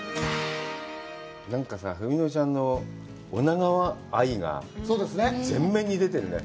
なんかさ、文乃ちゃんの女川愛が全面に出てるね！